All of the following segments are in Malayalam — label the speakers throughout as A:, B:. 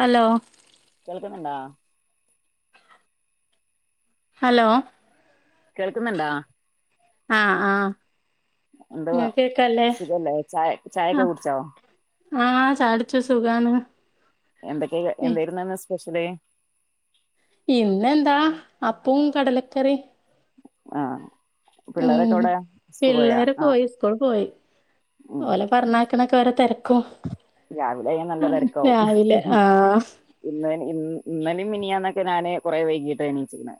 A: ഹലോ
B: കേൾക്കുന്നുണ്ടോ?
A: ഹലോ
B: കേൾക്കുന്നുണ്ടോ?
A: ആഹ് ആഹ്
B: എന്തുവാ
A: ഇങ്ങക്ക് കേക്കല്ലേ
B: സുഖല്ലേ ഛായൊക്കെ
A: ആഹ്
B: കുടിച്ചോ?
A: ആഹ് ഛായുടിച്ചു സുഖാണ്
B: എന്തൊക്കെയ എന്തായിരുന്നിന്ന് സ്പെഷ്യല്
A: ഇന്നെന്താ അപ്പും കടലക്കറി
B: ആഹ്
A: ഉം പിള്ളേര്
B: ആ
A: പോയി സ്കൂൾ പോയി
B: ഉം
A: ഓലെ പറഞ്ഞ ക്ക്ണൊക്കെ ഓരോ തിരക്കും
B: രാവിലെ ഞാൻ നല്ല തെരക്കാവും
A: ആഹ്
B: ഇന്ന ഇന്നലേം മിനിയാന്നൊക്കെ ഞാന് കൊറെേ വൈകീട്ട എണീച്ച്ക്കണെ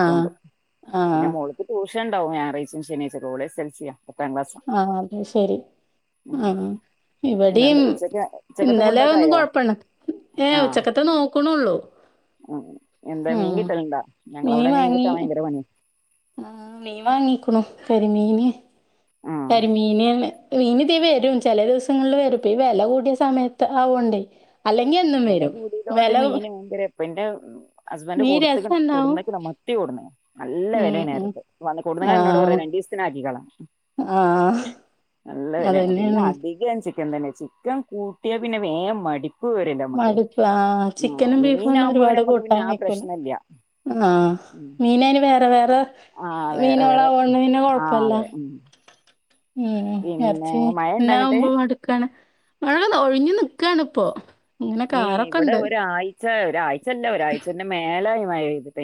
A: ആഹ്
B: പിന്നെ
A: ആഹ്
B: മോള്‌ക്ക് ട്യൂഷൻ ഉണ്ടാവും ഞായറാഴ്ച ശനിയാഴ്ച ഒക്കെ ഓള് എസ് എൽസിയാ
A: ആഹ് അത് ശരി
B: ഉം
A: ആഹ് ഇവടിം
B: ഇന്നെന്താ ഉച്ചക്ക് ഉച്ചക്കത്തെ
A: ഇന്നലെ
B: ഫുഡൊക്കെ
A: ഒന്നും
B: ആയോ
A: കൊഴപ്പണ്ടാ ഏ ഉച്ചക്കത്തെ നോക്ക്ണൊള്ളൂ
B: ആഹ് എന്താ മീൻ കിട്ടല്ണ്ടാ ഞങ്ങളവടെ മീൻ കിട്ടാ ഭയങ്കര പണിയ
A: ആഹ് മീൻ വാങ്ങികുണു കരിമീന്
B: ഉം
A: കരിമീന് മീനിതീ വരും ചെലെ ദിവസങ്ങളില് വരും പ്പ ഈ വെല കൂടിയ സമയത്ത് ആവോണ്ടേ അല്ലെങ്കി എന്നും
B: വെല
A: വരും.
B: കൂടീതോണ്ട്
A: വെല
B: മീന് ഭയങ്കര പ്പന്റെ ഹസ്ബന്റ്
A: മീൻ
B: കൊടുത്ത്ക്ക്ണ്
A: രസണ്ടാവും.
B: കൊട്ന്ന്ക്ക്ണ് മ ത്തി കൂടുന്ന് നല്ല
A: ഉം ഉം.
B: വെലേണറീണ്ട് വന്ന്‌ കോടീനെന്നോട്
A: ആഹ്
B: പറയുന്ന് രണ്ടീസത്തിനാക്കിക്കൊള്ളാൻ ന്നോട് പറയാ രണ്ടീസത്തിനാക്കിക്കളാ
A: ആഹ്
B: നല്ല വെലേണ്
A: അതന്നേണ്.
B: പിന്നധികം ചിക്കൻ തന്നേ ചിക്കൻ കൂട്ടിയാ പിന്നെ വേഗം മടിപ്പ് വരില്ല നമ്മക്കെ
A: മടുപ്പ്. ആഹ്
B: ആ
A: ചിക്കനും ബീഫൊന്നും
B: മീനാവുമ്പ
A: ഒരുപാട്
B: പിന്നമ്മക്ക്
A: കൂട്ടാൻ
B: പിന്നാ ആ
A: വെയ്ക്കൂല.
B: പ്രശ്നല്ല്യാ
A: ആഹ് മീനയ്ന് വേറെ വേറെ
B: ആഹ് വേറെ
A: മീനോളാ
B: വേറെ
A: ഓണ്ലൈന്
B: ആഹ്
A: കൊഴപ്പല്ല
B: അതെ ഉം
A: ഉം
B: പിന്നെ
A: എർച്ചി
B: മഴണ്ടോ അങ്ങട്ട്
A: ന്നാവുമ്പോ മടുക്കാണ് മഴ ഒഴിഞ്ഞു നിക്കാണ്പ്പോ
B: ഏ ഇവിടൊരാഴ്ച ഒരാഴ്ചല്ല ഒരാഴ്ചന്റെ മേലായി മഴ പെയ്ത്ട്ട്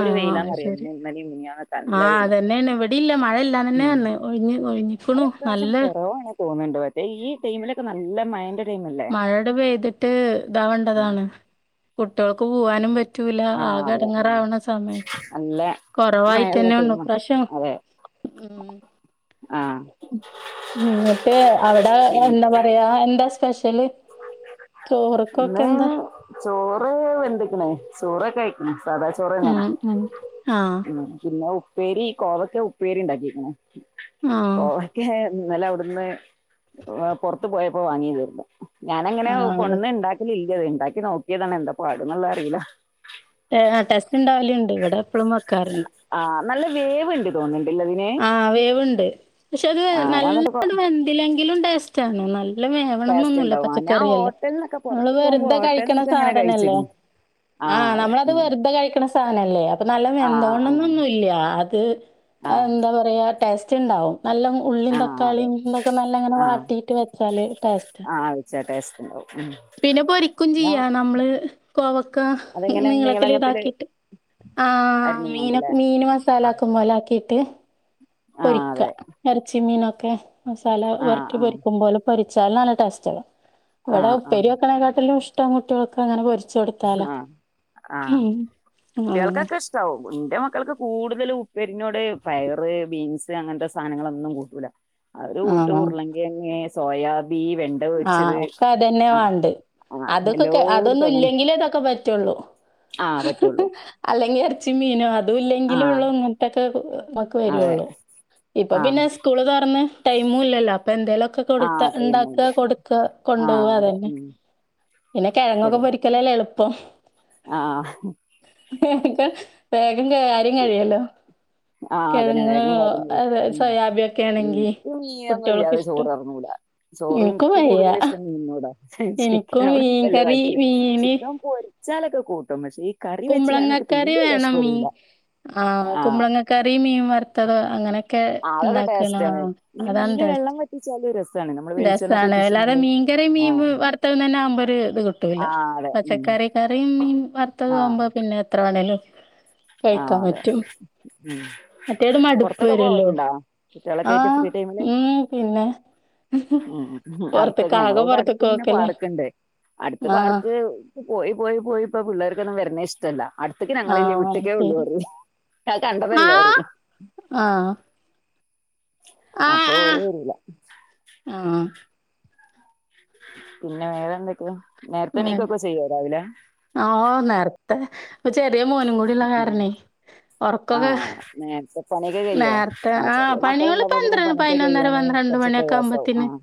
A: ആഹ് അയ്ശരി
B: മിനിഞ്ഞാന്നൊക്കെ നല്ല
A: ആഹ്
B: വെയിലാ
A: അതന്നേണ് ഇവെടില്ല മഴയല്ലാന്നന്നെ പർഞ്ഞെ ഒഴ്ഞ്ഞ ഒഴിഞ്ഞ
B: അത് ഇപ്രാവശ്യം കൊറവാണ് തോന്ന്ണ്ട് പക്ഷെ ഈ ടൈമിലൊക്കെ നല്ല മഴന്റെ ടൈമല്ലേ
A: മഴെടെ പെയ്തിട്ട് ഇതാവണ്ടതാണ് കുട്ടിയൾക്ക് പോവാനും പ റ്റൂല
B: ആഹ് അതെ
A: ആകെട്ങ്ങാറാവണ സമയം
B: നല്ല
A: കൊറവായിട്ട്
B: മഴള്ള
A: ന്നെ വന്നു
B: ടൈമാ
A: ഇപ്രാവശ്യം
B: അതെ ആഹ്
A: ന്ന്ട്ട് അവടെ എന്താ പറയാ എന്താ സ്പെഷ്യല്
B: ന്ന്
A: ചോറ്ക്കൊക്കെന്താ?
B: ചോറ് വെന്ത്‌ക്ക്ണ് ചോറൊക്കായ്ക്ക്ണ് സാദാ ചോ ചോറന്നെ
A: ഉം ഉം. ആഹ്
B: ഉം പിന്നെ ഉ പ്പേരി കോവക്ക ഉപ്പേരി ണ്ടാക്കിക്ക്ണ്
A: ആഹ്
B: കോവ ക്കെ ന്നലവ്ട്ന്ന് പൊർത്ത് പോയപ്പോ വാങ്ങിന്നു ഞാനങ്ങനെ
A: ആഹ് അത്
B: ണ്ടാക്കലില്ലത് ണ്ടാക്കി നോക്കിയതാണ് എന്താ പാട്ന്ന്ള്ളതറിയില്ല
A: ടെസ്റ്റ് ണ്ടാവല്ണ്ട് ഇവിടെപ്പളും വെക്കാറ്ണ്ട്
B: ആഹ് നല്ല വേവ്ണ്ട് തോന്ന്ണ്ട്ല്ലെ തിന്
A: ആ വേവ്ണ്ട് പക്ഷത്
B: ആഹ് ഞാൻ എന്നിട്ട്
A: നല്ലണ്ട് വെന്തിലെങ്കിലും ടേസ്റ്റാണ് നല്ല ല്ല
B: ടേസ്റ്റ്
A: വേവണംന്നൊന്നുല്ല
B: ഉണ്ടാവും ആ ഞാൻ
A: പച്ചക്കറിയല്ലേ
B: ഹോട്ടലിന്നൊക്കെ
A: നമ്മള്
B: പുറത്ത് പോകുമ്പോ
A: വെറുതെ കഴിക്ക്ണ
B: ഹോട്ടലിന്നൊക്കെ ഇങ്ങനെ
A: സാധനല്ലേ
B: കഴിച്ചിക്ക്ണ്
A: ആഹ്
B: അതെ
A: നമ്മളത്
B: ഉം
A: വെറുതെ കഴിക്കണ സാധനല്ലേ അപ്പൊ നല്ല
B: ആഹ്
A: വെന്തോണംന്നൊന്നുംല്ല അത്
B: ആഹ്
A: അതെന്താ പറയ ടേസ്റ്റ് ണ്ടാവും നല്ല മൂ ഉള്ളീം
B: ആഹ് ആഹ് അതെ
A: തക്കാളിയിം തൊക്കെ നല്ലങ്ങനെ വാട്ടിട്ട് വെച്ചാല് ടേസ്റ്റ
B: ച്ചാ ടേസ്റ്റ് ണ്ടാവും
A: പിന്നെ പൊരിക്കും ചെയ്യാ നമ്മള് കോവക്ക
B: അതിങ്ങനെ
A: നീളത്തില്
B: നീളങ്ങത്തില്
A: താക്കിട്ട് ആഹ് മീനൊ
B: അരിഞ്ഞുങ്ങോണ്ട്ല്ലേ
A: മീന് മസാല
B: ആഹ്
A: ആക്കും പോലെ ആക്കിട്ട്
B: ആഹ്
A: പൊരിക്ക
B: അതെ
A: എർച്ചി മീനൊക്കെ മസാല
B: ആഹ്
A: വർക്കി
B: ആഹ്
A: പൊരിക്കുമ്പോലെ പൊരിച്ചാൽ നല്ല ടേസ്റ്റാണ് വടെ
B: ആഹ് ആഹ്
A: ഉപ്പേരി വെക്കണേക്കാട്ടിലും ഇഷ്ടം കുട്ടിയൾക്കങ്ങനെ പൊ രിച്ചൊട്ത്താല
B: ആഹ്
A: ഹും ആഹ്
B: ന്റെ മക്കൾക്ക് കൂടുതല് ഉപ്പേരിനോട് പയറ് ബീൻസ് അങ്ങൻത്തെ സാനങ്ങളൊന്നും കൂട്ടൂല അവര് കൂട്ട
A: ആഹ്
B: ഉർലങ്കേങ് സോയാബീന് വെൺ
A: ആഹ് ഒഒക്കതന്നെ വാണ്ട്
B: ആഹ്
A: അതൊക്കെ
B: എല്ലോട്ത്തും
A: അതൊന്നും
B: അതന്നെ
A: ല്ലെങ്കിലെ തൊക്കെ പ റ്റൊള്ളൂ
B: ആഹ്
A: ഹഹ
B: പറ്റുള്ളൂ
A: അല്ലെങ്കി എർച്ചിം മീനും അ തു
B: ആഹ്
A: ഇല്ലെങ്കിലൊള്ളൂ മുട്ടൊക്കെ നമ്മക്ക്
B: അതെ
A: വെരൊള്ളൂ ഇപ്പൊ
B: ആഹ്
A: പിന്നെ സ്കൂള് തൊറന്ന് ടൈമു ഇല്ലല്ലോ അപ്പന്തേലൊക്കെ
B: ആഹ്
A: കൊടുത്ത
B: ചെയ്യുന്നില്ല
A: ഇണ്ടാക്ക കൊടുക്ക
B: ആഹ്
A: കൊണ്ടോവ
B: അതെ
A: അതന്നെ
B: ഉം
A: പിന്നെ കെഴങ്ങൊക്കെ
B: ശരി
A: പൊരിക്കലല്ലേ എളുപ്പം
B: ആഹ്
A: [unintelligible] വേഗം കാര്യം കഴിയല്ലോ
B: ആഹ് അതന്
A: കെഴങ്ങ്
B: വേഗം കാര്യം കഴിയും
A: അത് സോയാബി ഒക്കെ
B: ഉം
A: ആണെങ്കി
B: ഉം മീനൊന്നും
A: കുട്ടികൾക്ക്
B: ഇല്ലാതെ
A: ഇഷ്ടം
B: ചോറ് എറങ്ങുല ചോറു
A: ഇൻക്കും
B: ഇനിക്ക്
A: വയ്യ
B: കൂടുതൽ ഇഷ്ടം മീനിനോടാ ചിക്കൻ
A: എനിക്കും
B: ഓട് വല്യ
A: മീൻകറി
B: താല്പര്യം
A: മീന്
B: ചിക്കൻ പോരി ച്ചാലൊക്കെ കൂട്ടും പക്ഷേ ഇ
A: കുമ്പളങ്ങ കറി വേണം മീ ആ
B: ആഹ്
A: കുമ്പളങ്ങ കറി മീൻ വറുത്തതൊ അങ്ങനെ ഒക്കെ
B: അതൊക്കെ
A: ഉണ്ടാക്കല
B: ടേസ്റ്റാണ് പിന്നെ
A: അതാണ്
B: മീന് വെള്ളം
A: ടേസ്റ്റ്
B: വറ്റിച്ചാലും രസാണ് നമ്മള് വെളിച്ചെണ്ണൊക്കെ
A: രസാണ് എല്ലാരും
B: വറ്റിച്ച്ങ്ങാണ്ട്
A: മീ മീങ്കറി മീൻ
B: ആഹ്
A: വെ വർത്തതു തന്നെ ആമ്പൊര് ഇത് കിട്ടൂല്ല
B: ആഹ് അതെ ഉം
A: പച്ചക്കറി കറി മീൻ വറുത്തത്
B: ആഹ്
A: ആവുമ്പോ പിന്നെ എത്ര വണേലും
B: ആഹ്
A: കഴിക്കാൻ
B: അതെ
A: പറ്റും
B: ഉം
A: മറ്റേത് മടുപ്പ്
B: പൊറത്തൊക്കെ
A: വരുല്ലോ
B: പോവലുണ്ടോ കുട്ടികളൊക്കെ ആയിട്ട്
A: ആഹ്
B: ഫ്രീ ടൈമില്
A: ഉം പിന്നെ
B: ഉം
A: പൊറത്ത്ക്ക്
B: അടുത്തൊക്കെ
A: ആകെ
B: ഞങ്ങളിവിടെ അടുത്ത്
A: പൊറത്ത്ക്ക്
B: പിന്നെ
A: പോക്കല്ലേ.
B: പാർക്ക്ണ്ട് അടുത്ത്
A: ആഹ്
B: പാർക്ക് പോയി പോയി പോയി ഇപ്പ പിള്ളേർക്കൊന്നും വരണേ ഇഷ്ടല്ല അടുത്തേക്കാ ഞങ്ങളില്ല
A: ആഹ് അത്
B: വിട്ടക്കേ ഉള്ളൂ
A: ശരി.
B: പറയി അത് കണ്ടതല്ലേ
A: ആഹ്
B: പറയി
A: ആഹ് ആഹ്
B: അപ്പൊ ഓര്
A: ആഹ്
B: വരുല
A: ആഹ്
B: പിന്നെ വേറെ എന്തൊക്കെയ നേരത്തെ എണീക്കൊക്കെ ചെയ്യോ രാവിലെ
A: ആഹ് ഓഹ് നേരത്തെ ഇപ്പ ചെറിയ മോനും കൂടിള്ള കാരണേ ഒറക്കൊക്കെ
B: നേര്ത്തെ
A: നേർത്തെ ആഹ് പണികള്
B: പിന്നെ
A: പന്ത്രണ്ട്,
B: പണിയൊക്കെ
A: പയിനൊന്നര,
B: കഴിയാന്
A: പന്ത്രണ്ട്
B: കുറച്ച്
A: മണിയൊക്കെ
B: പ്രയാസാവും
A: ആമ്പോത്തിന്
B: ആഹ്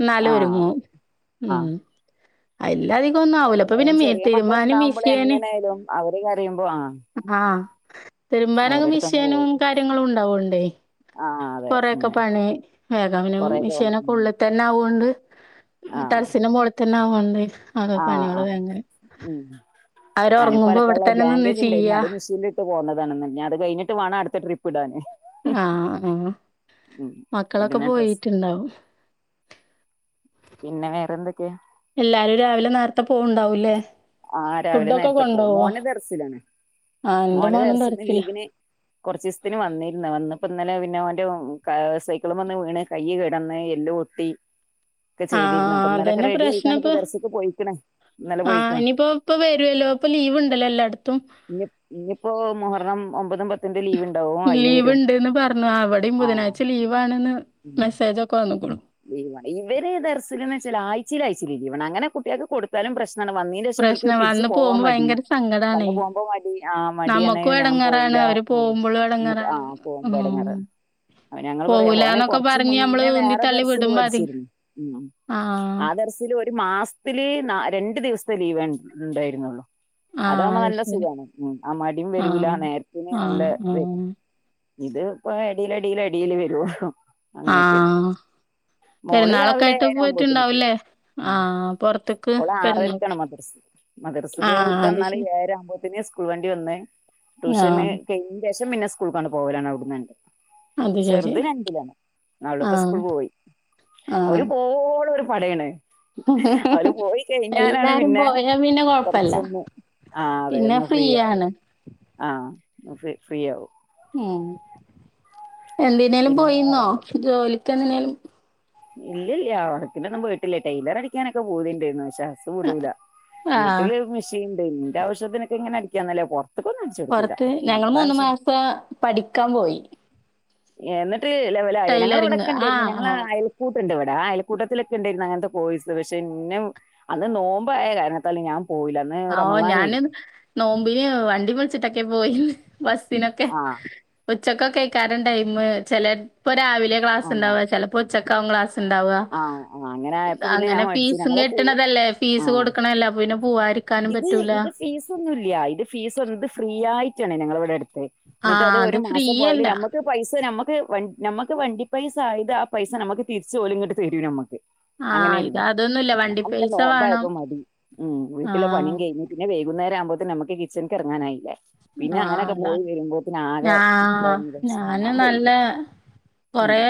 A: എന്നാലു
B: ആഹ്
A: ഒരുങ്ങും
B: അതെ
A: ഉം
B: ആഹ്
A: അയില്ലാധികം ഒന്നും ആവൂല ഇപ്പൊ പിന്നെ
B: എങ്ങനായാലും
A: മി
B: ചെറിയ മക്കൾ
A: തിരുമ്പാനും
B: ഉണ്ടാവുമ്പോള്
A: മിഷ്യന്
B: എങ്ങനായാലും അവര് കരയുമ്പോ ആഹ്
A: ആഹ് തിരുമ്പാനങ്ങ്
B: അവരെടുത്തങ്ങ്
A: മിഷ്യനും
B: പോവും
A: കാ ര്യങ്ങളുണ്ടാവോണ്ടേ
B: ആഹ് അതെ
A: കൊറേ യൊക്കെ
B: ഉം
A: പണി വേഗമിനും
B: കൊറെയൊക്കെ വന്ന്
A: മിഷ്യനൊക്കെ
B: ഉം
A: ഉള്ള തെന്നെ ആവ്വോണ്ട്
B: ആഹ്
A: ടെറസിന്റെ മോള് തന്നെ ആവൊണ്ടെ.
B: ആഹ് ആഹ് ഉം ഞാനിപ്പോ
A: അവരൊറങ്ങുമ്പോ ഇവിടെ
B: അലക്കുള്ള
A: തന്നെ നിന്ന്
B: ബ്ലാങ്കറ്റ് ഉണ്ടായിരുന്നു
A: ചെയ്യാ
B: അത് മെഷീനി ട്ട് പോന്നതാണ് ഇനി അത് കഴിഞ്ഞട്ട് വേണം അടുത്ത ട്രിപ്പ് ഇടാന്
A: ആഹ് ആഹ്
B: ഉം
A: മക്കളൊക്കെ
B: ഇടുന്ന ഡ്രസ്സ്
A: പോയിറ്റിണ്ടാവും
B: പിന്നെ വേറെന്തൊക്കെയാ?
A: എല്ലാരും രാവിലെ നേർത്തെ പോവ്ണ്ടാവൂലെ
B: ആഹ് രാവിലെ നേരത്തെ പോവും മോന് തറസിലാണ്
A: ആ ഇന്റെ
B: മോന്
A: മോനും
B: ദർസിന്ന്
A: ദർസില
B: ലീവിന് കുറച്ച് ഈസത്തിന് വന്നിര്ന്ന് വന്നപ്പോ ഇന്നലെ പിന്നെ ഓന്റെ സൈക്കിളുംമ്മന്ന് വീണ് കൈ കെടന്ന് എല്ല് പൊട്ടി ഒക്കെ
A: ആ
B: ചെയ്തിരുന്നപ്പൊ ഇന്നലെക്കെ
A: അതന്നെ
B: റെഡി
A: പ്രശ്നം
B: ആയിക്കണ്
A: ഇപ്പൊ.
B: ദർസക്ക് പോയിക്ക്ണ് ഇന്നലെ
A: ആ
B: പോയിക്ക്ണ്
A: ഇനിയിപ്പോ ഇപ്പൊ വരുവാല്ലോ ഇപ്പൊ ലീവ്ണ്ടല്ലോ എല്ലാടത്തും
B: ഇനി ഇനിപ്പോ മുഹറം ഒമ്പതും പ ത്തിന്റെ ലീവ് ഇണ്ടാവോ
A: ലീവ് ഇണ്ട്ന്ന് പറഞ്ഞു അവിടേം
B: ആഹ്
A: ബുധനാഴ്ച ലീവ ആണെന്ന് മെസ്സേജ് ഒക്കെ വന്ന്ക്ക്ണു
B: ഇവടെ ഇവര് ദർസിലീന്ന് വച്ചാല് ആയ്ചെൽ ആയ്ചെൽ ലീവണ് അങ്ങനെ കുട്ട്യൾക്ക് കൊടുത്താലും പ്രശ്ന ന്നണ് വന്നീന് ശേഷം ഇവൽക്ക്
A: പ്രശ്നം
B: തിരിച്ചു
A: വന്ന്
B: പോവാൻ
A: പോകുമ്പോ
B: മടി
A: ഭയങ്കര
B: വന്നു
A: സങ്കടാണേ.
B: പോകുമ്പോ മടി ആ മടി അണ്
A: നമ്മക്കും
B: ഞാൻ
A: എടങ്ങേറാണ്
B: പോകൂല
A: അവര്
B: ആഹ്
A: പോകുമ്പളും
B: നിപ് ആ
A: എടങ്ങേറാണ്.
B: പോമ്പോ
A: ഉം.
B: എടങ്ങറണ്. അ ഞങ്ങൾ പറയാ ഓനെ
A: പോവൂലാന്നൊക്കെ
B: കൊറച്ച്
A: പറഞ്ഞ് നമ്മള്
B: മുന്നേ വേറെ
A: ഉന്തിത്തള്ളി
B: ദർസെല്
A: വിടുമ്പോ അതി
B: പഠിച്ചിരുന്നു ഉം
A: ആ
B: ആഹ് ദർസില് ഒരു മാസത്തില് നാ രണ്ടു ദിവസത്തെ ലീവെ ണ്ടായിരുന്നുള്ളു
A: ആ
B: അതാവുമ്മ
A: അത്
B: നല്ല
A: ശരി.
B: സുഗാണ് ഉം ആ മടിം
A: ആ
B: വരൂല നേരത്തിന്
A: ആ
B: നല്ല
A: ആ
B: ഇത് ഇത് ഇപ്പോ അടിലടിൽ അടിൽ വരു
A: ആ
B: അങ്ങനൊക്കെണ് മോള്
A: പെരുന്നാളൊക്കെ
B: രാവിലെ
A: ആയിട്ട്
B: ഏയര ആവുമ്പോത്തിന്
A: പോയിട്ടുണ്ടാവൂല്ലേ?
B: പോവു
A: ആ പൊറത്ത്ക്ക്
B: ഓളെ ആറരക്കാണ്
A: പെരുന്നാൾക്ക്.
B: മദ്രസ
A: ആ
B: മദർസ്ക്ക് വിട്ട്
A: അത്
B: വന്നാല്
A: ശരി.
B: ഏയര ആകുമ്പോഴത്തേന് സ്ക്കൂൾ സകൂൾ വണ്ടി വന്ന് ട്യൂഷന്
A: ആഹ്
B: കഴിഞ്ഞന് ശേഷം പിന്നെ സ്കൂൾ കൊ പോകലാണ് അവിടന്ന്ണ്ട്
A: അത് ശരി.
B: ചെറ്ത് രണ്ടിലാ അവളിപ്പ
A: ആഹ്
B: സ്കൂള് പോയി
A: ആഹ്.
B: അവര് പോവോളോരു പടയണ് അവര് പോയി കെഴിഞ്ഞാലാണ്.
A: എല്ലാരും
B: പിന്നെ
A: പോയാ പിന്നെ കൊഴപ്പല്ല.
B: കൊറച്ചൊന്ന്.. ആഹ് അതെ
A: പിന്നെ
B: ഒന്ന്. ഫ്രീ ആല്.
A: ഫ്രീയാണ്.
B: ആ ഫ്രീ. ഫി ആവും.
A: ഏ. എന്തിനേലും
B: പിന്നെ
A: പോയിന്നോ.
B: വേറെന്താ
A: ജോലിക്ക്ന്തിനേലും..
B: ഇല്ല ഇല്ല്യ. ഉടകിനോന്നും. പോയിട്ടില്ല. ടെയിലർ അടിക്കാനൊക്കെ. പൂതിയുണ്ടായിരുന്നു പക്ഷേ ഹ്സ് വിടൂല.
A: ആഹ്
B: വീട്ടില് മിഷീൻണ്ട്. ഇന്റെ ആവശ്യത്തിനൊക്കെങ്ങനെ. അടിക്കാന്നല്ല. പോ.. പുറത്ത്കൊന്നും ടിചൊടുക്കൂല. ഞമ്മളാവശ്യ..
A: പ്പ. പഠിക്കാപോയി..
B: എന്നിട്ട്. ലെവലായ. ഞങ്ങൾ
A: ടൈലറിങ്
B: ഇവിടെക്കെണ്ടേര്ന്നു.
A: ആഹ്
B: ഞങ്ങള്
A: ആഹ്
B: അയ.. കൂട്ടുണ്ട് ഇവിടെ. ആ അയൽക്കൂട്ടത്തിലൊക്കെണ്ടേര്ന്നു. അങ്ങൻത്തെ കൊയിസ് പക്ഷെ ഇന്നെ.. അന്ന് നോബായ കാരണത്താൽ. ഞാൻ പോയില..
A: ആഹ് ഞാനും.. നോമ്പിന് വണ്ടി വിളിച്ചിട്ടൊക്കെ. പോയിന്ന് ബസ്സിനൊക്കെ..
B: ആഹ്
A: ഉച്ചക്ക്കായ്ക്കാരം ടൈം. ചെലപ്പോ രാവിലെ
B: ആഹ്
A: ക്ലാസ്ണ്ടാവ. ചെലപ്പോ ഉച്ചക്കാവും ക്ലാസ്.. ണ്ടാവ്
B: ആഹ് ആഹ് അങ്ങനെ ആയപ്പോ പിന്നെ
A: അങ്ങനെ
B: ഞാൻ മടിച്ചു
A: ഫീസും
B: ഞങ്ങളെ കൂ
A: കെട്ട്ണതല്ലേ ഫീസ്
B: ആഹ്
A: കൊട്ക്ണല്ലേ അപ്പൊപിന്നെ പുവായിര്
B: ഇത് ഇത് ഫീസൊന്നുല്യ ഇത് ഫീസ്ന്ത് ഫ്രീ ആയിട്ടാണ് ഞങ്ങളെവിടെ ട്ത്തെഹ്..
A: ആ
B: ന്നട്ട് അത് ഒരു
A: ഫ്രീ
B: മാസം പോയല്
A: അല്ല
B: ഞാമ്മക്ക്.. പൈസ നമുക്ക്. നമക്ക് വണ്ടി പൈസ ആയത്. ആ പൈസ നമക്ക് തിരിച് ഓല്ണ്ട് തരൂ. നമക്ക്..
A: ആ ഇത്
B: അങ്ങനെര്ന്ന്.
A: അതൊന്നുമില്ല വണ്ടി
B: ഞാൻ പിന്നെ
A: പൈസ വേണം
B: നോമ്പയപ്പോ മതി. മ്മ്ഹ്.
A: ആ
B: വീട്ടിലെ പണിം കെയിഞ്ഞ്.. പിന്നെ വെയ്കുന്നേരവുബോത്തിന്. നമക്ക് കിച്ചൺക്ക് എറങ്ങാനായില്ലേ.. പിന്നെ
A: ആ
B: അങ്ങനൊക്കെ പോയി
A: അതാണ്
B: വരുമ്പോത്തിന്
A: ഞാ
B: ആകെതാവും വിചാരിച്
A: ഞാന് നല്ല
B: ഞാപോയില്ല
A: കൊറേ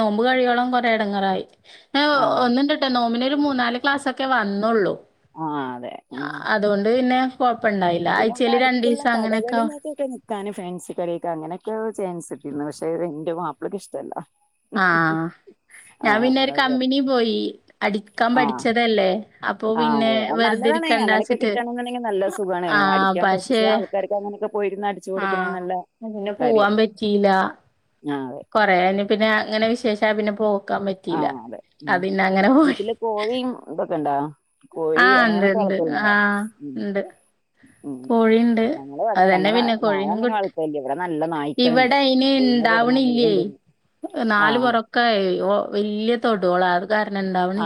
A: നോമ്പ് കഴിയോളം കൊറെ എടങ്ങറായി ഹേ
B: ആഹ്
A: ഒന്ന്ണ്ട്. ഒന്നുണ്ട് നോബിനൊരു മൂന്നാല് ക്ലാസൊക്കെ വന്നുള്ളൂ
B: ആഹ് അതെ ഉം
A: അതോണ്ട് പിന്നെ.. കുഴപ്പണ്ടായില ആഴ്ചെല് രണ്ടിസ്..
B: കടകളിലൊ ഇക്കെ നിക്കാന് ഫെൻസികടേക് അങ്ങനെയൊക്കെ ചാൻസ് കിട്ടിയിരുന്നു പക്ഷേ എന്റെ ബാപ്പക്ഇഷ്ടല്ല..
A: ആഹ് ഞാൻ പിന്നെരു
B: അത് പറ
A: കമ്പനിപോയി അടി.. അടിക്കാൻ
B: ആഹ്
A: പഠിച്ചതല്ലേ അപ്പൊ
B: ആഹ്
A: പിന്നെ
B: അതെ അത് നല്ലതാണ് അങ്ങനെയൊക്കെ
A: വെറുതിരിക്കണ്ടാച്ചിട്ട് ആഹ് പക്ഷേ
B: ചേലെ ആൾക്കര്ക് അങ്ങനെകെ പോയിര്ന്നാല്.
A: ആഹ്‌ പിന്നെ പുവാൻ പറ്റില..
B: ആഹ് അതെ
A: കൊറയാനി പിന്നെ അങ്ങനെ വിശേഷായ പിന്നെ പോക്കാ പറ്റിയില്ല അപിന്നങ്ങനെ പോയി..
B: കോഴി ഇതൊക്കെ ഉണ്ടോ കോഴി
A: ആഹ് ഇണ്ട്
B: അങ്ങനൊക്കെ
A: ഇണ്ട്
B: വളർത്തല്ണ്ടാ.
A: ആഹ്
B: മ്മ്ഹ്.
A: ഇണ്ട് കോഴിണ്ട്
B: മ്മ്ഹ് ഞങ്ങളുതെ
A: അതന്നെ
B: ഞങ്ങളെ
A: പിന്നെ കോഴീനും
B: നായങ്ങനെ
A: കുട്ടി
B: വളർത്തല്ല്യ ഇവിടെ നല്ല നായി..
A: ഇവിടെ അയിന് ഇണ്ടാവണില്ലേ നാല്
B: ആഹ്
A: പൊറം.. ക്കഓ വെല്യ തൊടുള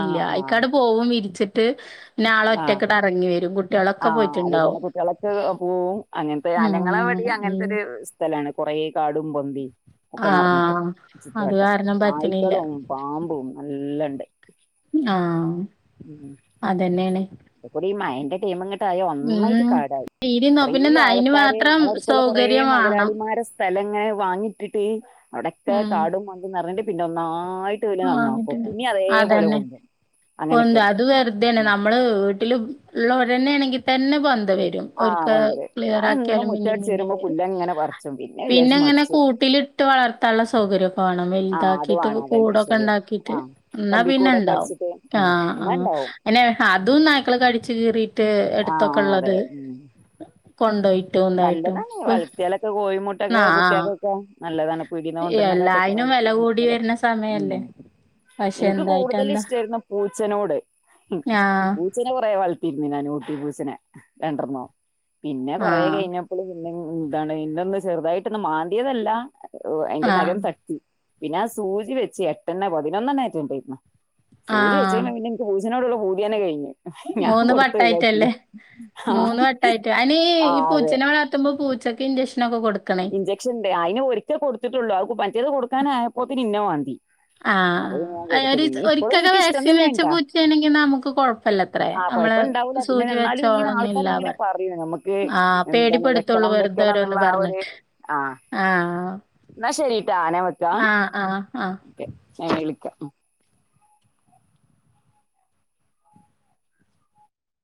B: ആഹ്
A: ആഹ്‌
B: ആഹ്
A: അയിക്കാണ്ട് പോവും വിരിച്ചിട്ട്..
B: ആഹ്
A: നളൊറ്റയ്ക്ണ്ടെറങ്ങി വെരും കുട്ട്യോളൊക്കെ പോയിട്ട്ണ്ടാവും..
B: കുട്ട്യേളക്ക് പോവും. അങ്ങൻത്തെ അനങ്ങളെവടി
A: ഉം
B: അങ്ങൻത്തെരു സ്ഥലാണ് കൊറ കാടും പോന്തി.. ഒക്കെ നറഞ്ഞിക്ക്ണ്
A: ആഹ് അത്
B: ചുറ്റുവട്ടം
A: കാരണം പറ്റണില്ല
B: നായിക്കളും പാമ്പും നല്ലണ്ട്.
A: ആഹ്
B: മ്ഹ്.
A: അതന്നെയാണ്
B: അയിക്കൂടി ഈ മയന്റെ മെന്ന് ഇങ്ങട്ടായി ഒന്നായിട്ട്
A: ഉം
B: കാടായി.
A: തീരുന്നോ
B: കൊറേ
A: പിന്നെ ന അയിന്
B: ആൾക്കാര്
A: മാത്രം
B: ഞങ്ങളെട്ത്തുള്ള കൊറേ
A: സൗകര്യം വേണം
B: മുതലാളി മാരെ സ്ഥലെങ്ങെനെ വാങ്ങിട്ടിട്ട് അവിടൊക്കെ
A: ഉം
B: കാടും പൊന്തിം നറഞ്ഞിട്ട് പിന്നെ ഒന്നായി ട്ടോല്
A: ആഹ്
B: നന്നാക്കും.
A: കിട്ടില്ല.
B: പിന്നി അതേപോലെ
A: അതന്നെ
B: പൊന്തും.
A: പൊന്ത
B: അങ്ങനൊക്കേണ്.
A: അത് തെന്നെ. നമ്മള് വീട്ടിൽ ഇള്ളോരെന്നേണെങ്കി തന്നെ പൊന്ത വെരും.
B: ആ
A: ഒരിക്കെ
B: കൊണ്ടരും
A: ക്ലിയർ
B: ഞാൻ എന്നും
A: ആക്കിയാലും പിന്നിം
B: മുറ്റടിച്ച്
A: പിന്നിം
B: വരുമ്പോ
A: വെരും.
B: പുല്ലങ്ങനെ പറിച്ചും പിന്നെ വിചാരിച്ച്
A: പിന്നെങ്ങനെ
B: മടിച്ചു
A: കൂട്ടില് ട്ട് വളർത്താൻള്ളെ സൗകര്യം ഒക്കെ വാണം
B: ആ അത്
A: വെല്താക്കീട്ടു
B: വേണം അതന്നെ
A: കൂടൊക്കെ
B: ശരിയാ ആ
A: ഇണ്ടാക്കീട്ട്. ഇന്നാ പിന്നെ
B: കമ്പിക്കൂടൊക്കെ
A: ഇണ്ടാവും.
B: അടിച്ചിട്ട് ഉം
A: ആഹ്
B: എന്നാ
A: ആഹ്
B: ഇണ്ടാവും
A: അതെന്നെ അതും നായ്ക്കൾ കടി ച്ച് കിറീട്ട്
B: ആ
A: എടുത്തൊക്കെ
B: അതെ
A: ഇള്ളത്
B: ഉം
A: കൊണ്ടോയി
B: നല്ലതാണ് വളർത്തിയാലൊക്കെ കോഴിമുട്ടൊക്കെ
A: ആഹ്
B: കുട്ട്യോക്കൊക്കെ. നല്ലതാണ്. പീടി
A: എല്ലായിനും വെല കൂടി വര്ന
B: ഉം
A: സമയല്ലേ. പഷേ എന്തായിട്ടെന്താ.
B: വെര്ന്ന പൂച്ചനോട്. മ്മ്ഹ്
A: ആഹ്
B: പൂ ച്ചനെ കൊറെ വളത്തിര്ന്ന്. ഞാൻ ഊട്ടി പൂച്ചനെ രണ്ടെർണ്ണം. പിന്നെ കൊറേ
A: ആഹ്
B: കഴിഞ്ഞപ്പള് പിന്നെ എന്താണ് ഇന്നെ ഒന്ന് ചെറുതായിട്ടൊന്ന് മാന്തിയതല്ല. ഓ അയിന്റെ
A: ആഹ്
B: നഖം തട്ടിപ പിന്നെ ആ സൂചി വെച്ച് എട്ടെണ്ണൊ പതിനൊന്നെണ്ണറ്റെ ഇണ്ടേര്ന്നു. സൂചി
A: ആഹ്
B: വെച്ചേമേ പിന്നെ ഇൻക്ക് പൂച്ചനോടുള്ള പൂതിയെന്നെ കഴിഞ്ഞ്. ഞാൻ
A: മൂന്ന്
B: കൊട്ത്ത് ഒഴിവാക്കി ആഹ്.
A: ഞാന് ഈ പൂച്ചനെ വളർത്തുമ്പം പൂച്ചക്ക് ഇൻജെക്ഷനൊക്കെ കൊടുക്കണേ.
B: ഇഞ്ചെക്ഷൻ ണ്ട്. അയ്ന് ഒരിക്കൽ കൊടുത്തിട്ടൊള്ളൂ അഹ് മറ്റേത് കൊടുക്കാനായപ്പോത്തിന് ഇന്നെ മാന്തി. അപ്പൊ ഞാൻ
A: ആഹ്
B: കൊടുത്ത്.
A: ഒരു
B: പിന്നിം ഇപ്പളും
A: ഒരിക്കൊക്കെ
B: ഇൻക്ക് ഇഷ്ടം
A: വാക്സിൻ
B: തന്നേണ്
A: വെച്ച
B: ട്ടാ.
A: പൂച്ചയാണെങ്കി നമുക്ക് കൊഴപ്പല്ലത്രേ
B: ആഹ്
A: നമ്മള്
B: കൊഴപ്പണ്ടാവൂല പിന്നെ
A: സൂചി
B: എന്നാലും ഇങ്ങനെ ആൾക്കാർ
A: വെച്ചോളന്നില്ല
B: ഇങ്ങനെ
A: പറ
B: പറയും നമക്ക്
A: ആഹ്
B: എന്താണ് വെ
A: പേടിപ്പെടുത്തുള്ളൂ
B: ക്കണം
A: വെറുതെ
B: വെക്കണം
A: ഓരോന്ന്
B: ന്നുള്ള ആ ഒര്
A: പറഞ്ഞിട്ട്
B: ആഹ്.
A: ആഹ്
B: ന്നാ ശരിട്ടാ ഞാൻ വെക്കാ.
A: ആഹ് ആഹ് ആഹ്
B: ഓക്കേ. ഞാൻ വിളിക്കാ.